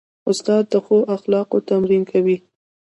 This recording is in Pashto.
استاد د ښو اخلاقو تمرین کوي.